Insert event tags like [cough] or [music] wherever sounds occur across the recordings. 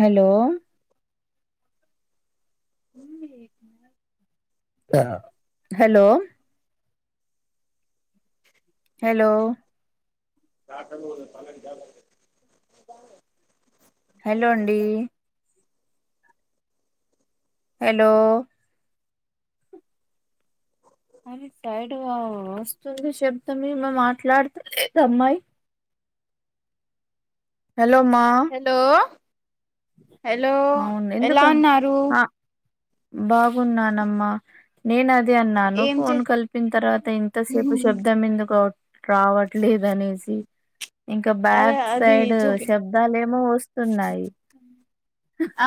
Hello hello hello కాట పాలంాల hello అండి హలో అది సైడ్ వస్తుంది శబ్దం మాట్లాడుతలేదు అమ్మాయి హలో మా హలో హలో అవును ఎలా ఉన్నారు బాగున్నానమ్మ నేను అది అన్నాను ఏం చే ఫోన్ కలిపిన తర్వాత ఇంతసేపు శబ్దం ఎందుకు రావట్లేదు అనేసి ఇంకా అరే బ్యాక్ అది సైడ్ చూపి శబ్దాలేమో వస్తున్నాయి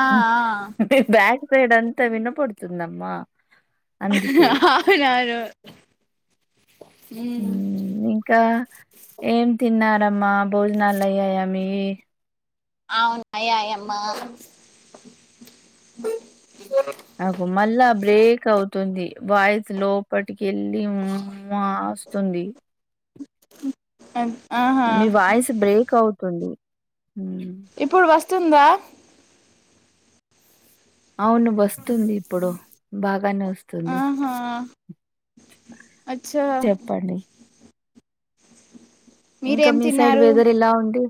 ఆ ఆ బ్యాక్ సైడ్ అంతా వినపడుతుందమ్మా అందుకే అవునారు హ్మ్ ఇంకా ఏం తిన్నారమ్మా భోజనాలు అయ్యాయా మీయి ఆ అయ్యాయమ్మ అగొ మళ్ళా బ్రేక్ అవుతుంది వాయిస్ లోపటికి వెళ్ళి ము వాస్తుంది అ ఆ మీ వాయిస్ బ్రేక్ అవుతుంది ఇప్పుడు వస్తుందా అవును వస్తుంది ఇప్పుడు బాగానే వస్తుంది ఆహా అచ్చా చెప్పండి ఇంకా మీరేం మీ సైడ్ తిన్నారు వెదర్ ఎలా ఉండి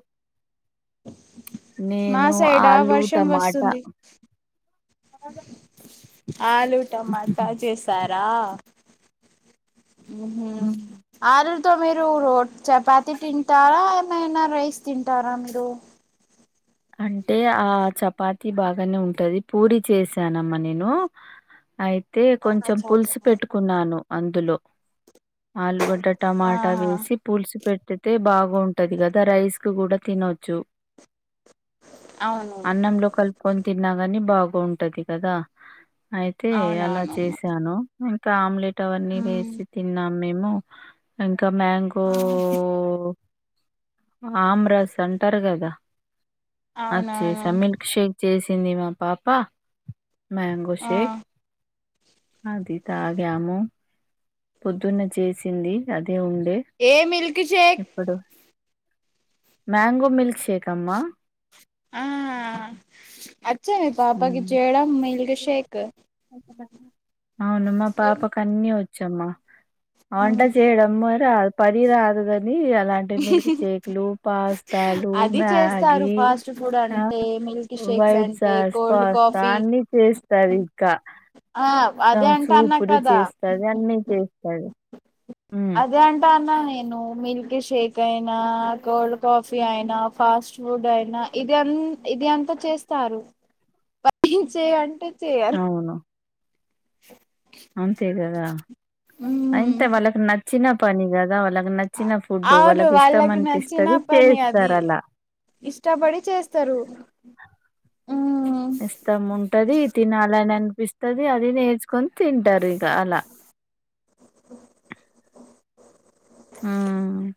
మా నేను సైడా ఆలు వర్షం టమాటా వస్తుంది ఆ ఆలు టమాటా చేసారా హ్మ్ ఆ మీరు రోడ్ చపాతి తింటారా ఏమైనా రైస్ తింటారా మీరు అంటే ఆ చపాతి బాగానే ఉంటది పూరి చేసానమ్మా నేను అయితే కొంచెం పులుసు పెట్టుకున్నాను అందులో ఆలుగడ్డ టమాటా ఆహా వేసి పులుసు పెట్తే బాగుంటది కదా రైస్ కు కూడా తినొచ్చు అవును అన్నంలో కలుపుకొని తిన్నాగాని బాగుంటది కదా అయితే అలా చేసి అవునవునమ్మా ఇచ్చాను ఇంకా ఆమ్లెట్ అవన్నీ ఉమ్, వేసి తిన్నాం మేము ఇంకా మ్యాంగో ఆమ్రాస్ అంటారు కదా అది అవునవును చేశా మిల్క్ షేక్ చేసింది మా పాప మ్యాంగో ఆ షేక్ అది తాగాము పొద్దున్న చేసింది అదే ఉండే ఏ మిల్కీ షేక్ ఇప్పుడు మ్యాంగో మిల్క్ షేక్ అమ్మా ఆ అచ్చా మీ పాపకి హ్మ్ చేయడం మిల్క్ షేక్ అవును మా పాపకు అన్నీ వచ్చమ్మా వంట ఉమ్. చేయడం మరి అ పరి రాదు కానీ అలాంటి మిల్క్ షేకులు పాస్తాలు అది చేస్తారు మ్యాగి ఫాస్ట్ ఫుడ్ ఆ అంటే మిల్క్ షేక్స్ వైట్ అంటే సాస్ కోల్డ్ పాస్త కాఫీ అన్ని చేస్తాది ఇంకా ఆ ఆ, అదే అంటాన్నా సూపులు కదా చేస్తది అన్నీ చేస్తది. హ్మ్ అదే అంటన్న నేను మిల్క్ షేక్ అయినా కోల్డ్ కా ఫీ అయినా ఫాస్ట్ ఫుడ్ అయినా ఇది ఇది అంతా చేస్తారు పై చేయి అంటే అవును [inaudible] అంతే కదా ఉమ్. అంటే వాళ్ళకి నచ్చిన పని కదా వాళ్ళకి నచ్చిన ఫుడ్డు అవును వాళ్ళకి ఇష్టం నచ్చిన అనిపిస్తది పని అది చేస్తరు అలా ఇష్టపడి చేస్తారు హ్మ్ ఇష్టముంటది తినాలని అనిపిస్తది అది నేర్చుకొని తింటారు ఇక అలా హ్మ్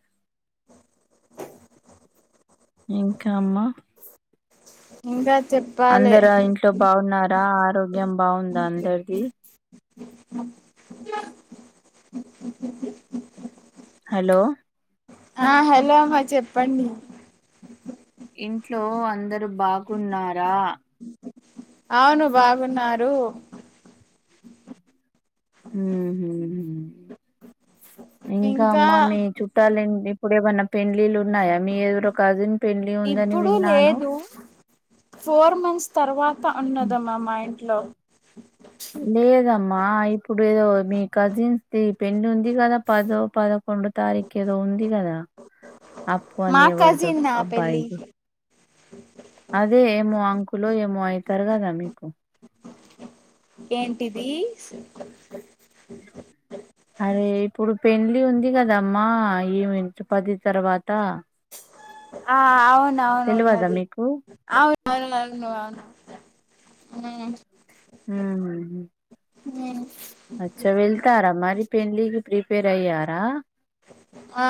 ఇంకా అమ్మా ఇంకా చెప్ అందరు ఆ ఇంట్లో బాగున్నారా ఆరోగ్యం బాగుందా అందరిది హలో ఆ హలో అమ్మా చెప్పండి ఇంట్లో అందరు బాగున్నారా అవును బాగున్నారు హ్మ్ ఇంకా అమ్మా మీ చుట్టాలండి ఇప్పుడు ఏమైన్నా పెండ్లిలు ఉన్నాయా మీ ఎవరో కజిన్ పెళ్లి ఉంది అని ఇప్పుడు విన్నాను లేదు ఫోర్ మంత్స్ తర్వాత ఉన్నదమా మా ఇంట్లో లేదమ్మా ఇప్పుడు ఏదో మీ కజిన్స్ ది పెళ్లి ఉంది కదా పదో పదకొండు తారీఖేదో ఉంది కదా అప్పు అని ఎవరిదో అబ్బాయిది స [inaudible] అదే ఏమో అంకులో ఏమో అయితరు కదా మీకు ఏంటిది అరే ఇప్పుడు పెళ్లి ఉంది కదమ్మా ఏమి పది తర్వాత ఆ అవునవును తెలియదా ఉన్నది మీకు అవునవును అవును హ్మ్ హ్మ్ హ్మ్ అచ్చా వెళ్తారా మరి పెండ్లికి ప్రిపేర్ అయ్యారా ఆ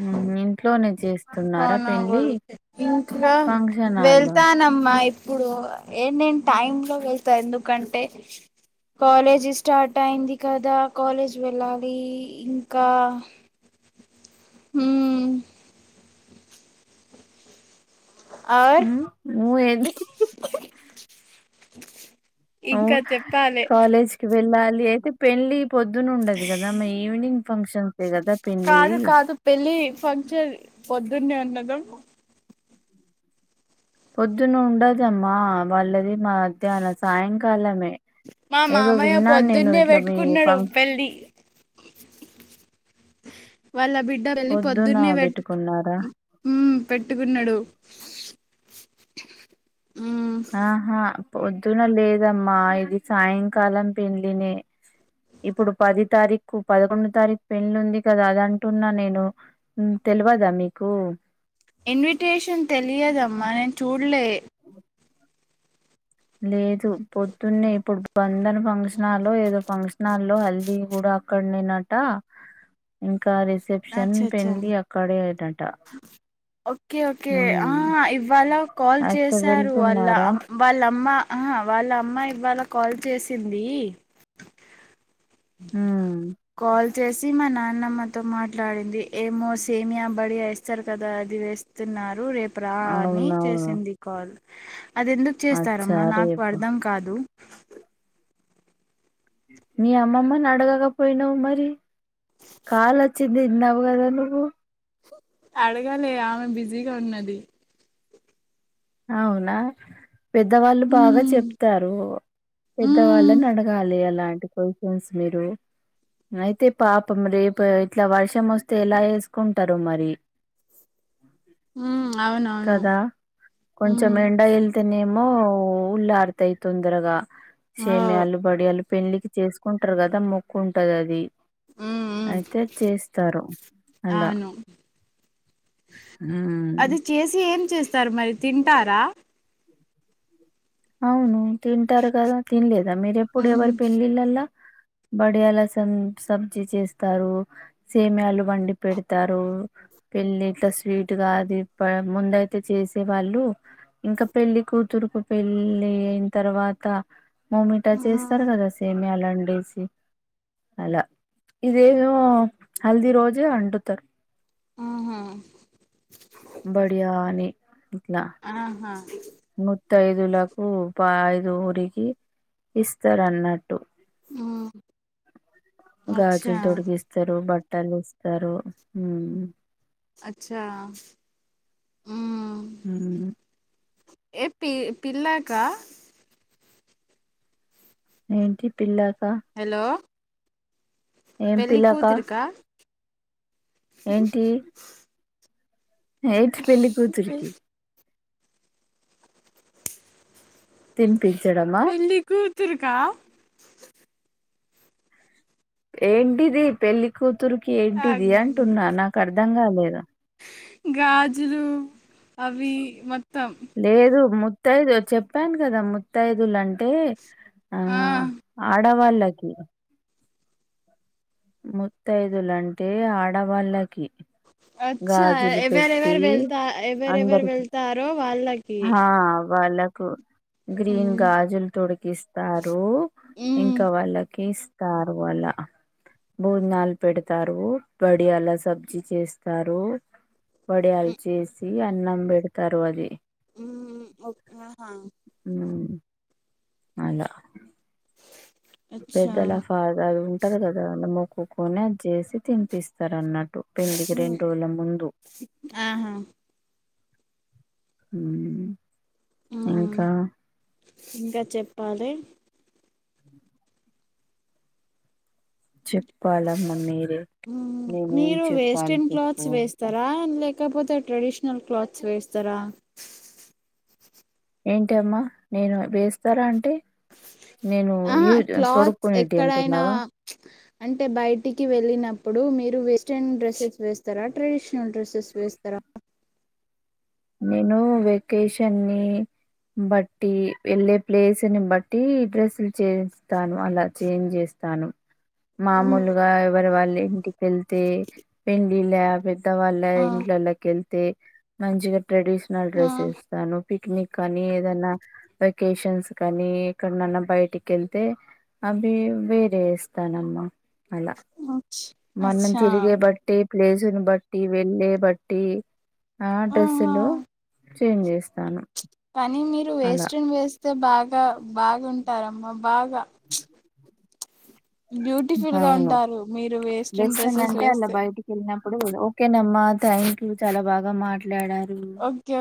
హ్మ్ ఇంట్లోనే చేస్తా ఇంకా ఫంక్షన్ హాల్లో వెళ్తానమ్మా ఇప్పుడు ఏటంటే టైమ్ లో వెళ్తా ఎందుకంటే కాలేజీ స్టార్ట్ అయింది కదా కాలేజ్ వెళ్ళాలి ఇంకా హ్మ్ ఆర్. నువ్వేది అవ్ ఇంకా చెప్పాలి కాలేజ్కి వెళ్ళాలి అయితే పెళ్లి పొద్దున ఉండదు కదా మా ఈవినింగ్ ఫంక్షన్సే కదా పెళ్లీ కాదు కాదు పెళ్ళి ఫంక్షన్ పొద్దున్నే ఉన్నదమ్మ పొద్దున్న ఉండదమ్మా వాళ్ళది మధ్యాహ్నం సాయంకాలమే మా ఏదో మామయ్య విన్నాను నేను పొద్దున్నే ఇట్లా మీ పెట్టుకున్నాడు ఫం పెళ్లి వాళ్ళ బిడ్డ పెళ్లి పొద్దున పొద్దున్నే పెట్టు పెట్టుకున్నారా హ్మ్ పెట్టుకున్నాడు హ్మ్ ఆహా పొద్దున లేదమ్మా ఇది సాయంకాలం పెండ్లినే ఇప్పుడు పది తారీఖు పదకొండు తారీఖు పెళ్లి ఉంది కదా అది అంటున్నా నేను తెలవదా మీకు ఇన్విటేషన్ తెలియదమ్మా నేను చూడలే [unintelligible] లేదు పొద్దున్నే ఇప్పుడు బంధన ఫంక్షనాలో ఏదో ఫంక్షనాల్లో హల్దీ కూడా అక్కడనేనట ఇంకా రిసెప్షన్ అచ్చచ్చా పెండ్లి అక్కడేనట ఓకే ఓకే ఉమ్ ఇవాళ ఆ కాల్ అయితే చేశారు వాళ్ళ వెళ్తున్నారా అ వాళ్ళమ్మ ఆ వాళ్ళ అమ్మ ఇవాళ కాల్ చేసింది ఉమ్ కాల్ చేసి మా నాన్నమ్మతో మాట్లాడింది ఏమో సేమియా బడియా వేస్తారు కదా అది వే న్నారు రేపు ప్రాణి అవునవును చేసింది కాల్ అది ఎందుకు అచ్చా చేస్తారమ్మా నాకు రేపు అర్థం కా కాదు మీ అమ్మమ్మని అడగకపోయినావ మరి కాల్ వచ్చింది ఇన్నావు కదా నువ్వు అడగాలి ఆమె బిజీగా ఉన్నది అవునా పెద్దవాళ్ళు బాగా మ్మ్ చెప్తారు మ్మ్ పెద్దవాళ్ళని అడగాలి అలాంటి బై చాన్స్ మీరు అయితే పాపం రేపు ఇట్లా వర్షం వస్తే ఎలా చేసుకుంటారో మరి అ ఉ అవునవును కొంచెం మ్మ్ ఎండ వెళ్తేనేమో ఉల్లారుతాయి తొందరగా మ్మ్ సేమియాలు వడియాల పిండికి చేసుకుంటారు కదా మొక్కు ఉంటది అది మ్మ్ అయితే చేస్తారు అలా అవును ఉమ్ అది చేసి ఏం చేస్తారు మరి తింటారా అవును తింటారు కదా తినలేదా మీరెప్పుడు ఎవరి పెళ్ళిళ్ళలా బడియాల సం సబ్జీ చేస్తారు సేమయాలు వండి పెడతారు పెళ్ళింట స్వీట్గా తిప్పడం ముందయితే చేసే వాళ్ళు ఇంకా పెళ్ళి కూతురు కు పెళ్ళి అయిన తర్వాత మమిటా చేస్తారు కదా సేమియాలాండేసి అలా ఇదేమో హల్ది రోజే వండుతారు ఆహా బడియాని ఇట్లా ఆహా ముత్తైదులకు ఐదు ఊరికి ఇస్తారున్నట్టు అచ్చా గాజులు తొడిగిస్తారు బట్టలిస్తారు అచ్చా ఉమ్ ఉమ్ ఏ పి పిల్లాకా దేనికి పిల్లాక హలో ఏం పెళ్ళి పిల్లాక కూతురికా ఏంటి ఎయిడ్స్ పెళ్ళి పె- కూతురికి తినిపించడమా పెళ్ళి కూతురికా ఏంటిది పెళ్లి కూతురుకి ఆ, ఏంటిది అంటున్నా నాకు అర్ధం కాలేదు గాజులు అవి మొత్తం లేదు ముత్తైదు చెప్పాను కదా ముత్తైదులు అంటే ఆ ఆడవాల్లకి ముత్తైదులు అంటే ఆడవాళ్ళకి అచ్చ గాజులు ఎవరెఎవ పెట్టి వెళ్త ఎవరె ఎవరు అందరికి వెళ్తారో వాళ్ల్ హా వాళ్ళకు గ్రీన్ మ్మ్. గాజులు తొడిగి ఇస్తారు మ్మ్. ఇంకా వాళ్ళకి కారువల్ల భోజనాలు పెడతారు బడియాల సబ్జీ చేస్తారు వడియాలు చేసి అన్నం పెడతారు అది ఊఉ ఒ అహా అలొ అచ్చా పెద్దల ఫాదర్ ఉంటరు కదా మొక్కుకొని అది చేసి తినిపిస్తారు అన్నట్టు పెళ్ళికి రెండు రోజుల ముందు ఆహా ఉ మ్మ్ ఇంకా ఇంకా చెప్పాలి చెప్ నేనేం మీరు చెప్పాలి వేస్టన్ చెప్పు క్లాత్స్ ఇంకా వేస్తారా లేక్ లేకపోతే ట్రెడిషనల్ క్లాత్స్ వేస్తరా ఏంటి అమ్మా నేను ఇప్పుడు వేస్తారా అంటే నేను ఆహా యూజ్ క్లాత్స్ తొడుక్కునేటివి ఎక్కడైనా అంటున్నావా [inaudible] అంటే బయటికి వెళ్ళినప్పుడు మీరు వెస్ట్రన్ డ్రెసెస్ వేస్తరా ట్రెడిషనల్ డ్రెస్సెస్ వేస్తారా నేను వెకేషన్నీ బట్టి వెళ్ళే ప్లేస్ని బట్టి డ్రెస్సులు చేయిస్తాను అలా చేంజ్ చేస్ తాను మ్మ్ మామూలుగా ఎవరి వాళ్ళ ఇంటికెళ్తే పెండ్లిలా వద్దావాల్ళ ఆ ఇంట్లోళ్ళకెళ్తే మంచిగ ట్రెడిషనల్ ఆ డ్రెస్ ఏస్తాను పిక్నిక్ అని ఏదన్నా వెకేషన్స్ కానీ ఎక్కడనన్న బయటికి వెళ్తే అభి వేరే ఏస్తానమ్మ అలా అచ్ మొన్న అచ్చా తిరిగే బట్టి ప్లేసుని బట్టి వెళ్ళే బట్టి ఆ ఆహా డ్రెస్సులు చేంజ్ చేస్తాను కానీ మీరు అలా వేస్టన్ వేస్తే బాగా బాగుంటారమ్మా బాగా బ్యూటిఫుల్గా అవును ఉంటారు మీరు వేస్ట్రన్ డ్రెస్సెస్ వేస్తే నప్పుడు ఓకేనమ్మా థ్యాంక్ యూ చాలా బాగా మాట్లాడారు జో